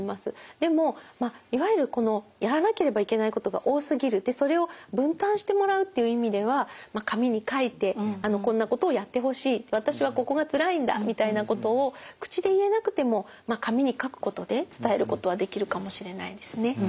でもまあいわゆるこのやらなければいけないことが多すぎるでそれを分担してもらうっていう意味では紙に書いてこんなことをやってほしい私はここがつらいんだみたいなことを口で言えなくても紙に書くことで伝えることはできるかもしれないですね。